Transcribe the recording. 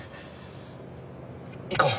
行こう。